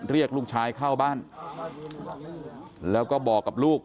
เรียกลูกชายเข้าบ้านแล้วก็บอกกับลูก